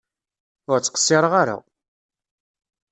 Ur ttqeṣṣireɣ ara!